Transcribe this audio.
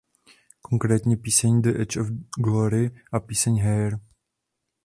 Konkrétně píseň The Edge Of Glory a píseň Hair.